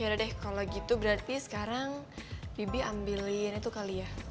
yaudah deh kalau gitu berarti sekarang bibi ambilin itu kali ya